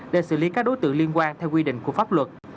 để xử lý các đối tượng liên quan theo quy định của pháp luật